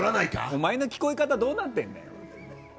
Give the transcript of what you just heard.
お前の聞こえ方どうなってんだ？